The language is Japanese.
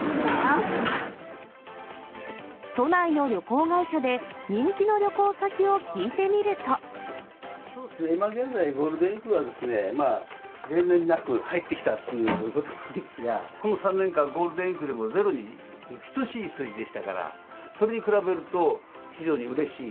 都内の旅行会社で、今現在、ゴールデンウィークは例年になく、入ってきたっていうことなんですが、この３年間、ゴールデンウィークでもゼロに等しい数字でしたから、それに比べると、非常にうれしい。